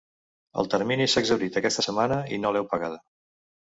El termini s’ha exhaurit aquesta setmana i no l’heu pagada.